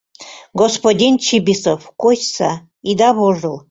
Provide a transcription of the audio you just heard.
Господин Чибисов, кочса, ида вожыл!